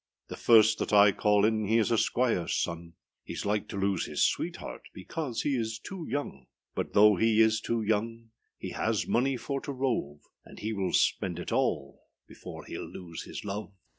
The first that I call in He is a squireâs son; Heâs like to lose his sweetheart Because he is too young. But though he is too young, He has money for to rove, And he will spend it all Before heâll lose his love.